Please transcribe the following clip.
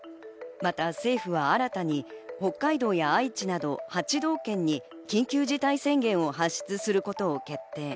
また政府は新たに北海道や愛知など８道県に緊急事態宣言を発出することを決定。